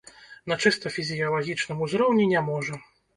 На чыста фізіялагічным узроўні не можа.